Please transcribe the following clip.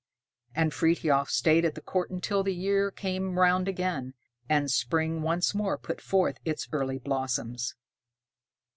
And Frithiof stayed at the court, until the year came round again, and spring once more put forth its early blossoms.